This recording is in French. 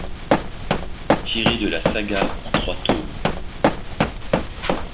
Tiré de la saga en trois tomes.